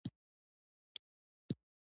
ما نه شو کولای سمدلاسه هغې ته ځواب پیدا کړم.